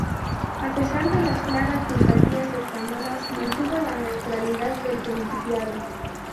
A pesar de las claras simpatías españolas, mantuvo la neutralidad del principado.